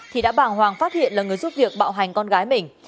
thì đã bàng hoàng phát hiện là người giúp việc bạo hành con gái mình